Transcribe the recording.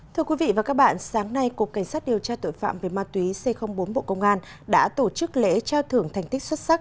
thưa quý vị và các bạn sáng nay cục cảnh sát điều tra tội phạm về ma túy c bốn bộ công an đã tổ chức lễ trao thưởng thành tích xuất sắc